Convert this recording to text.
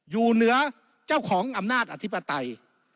อยู่เหนือเจ้าของอำนาจอธิปไตย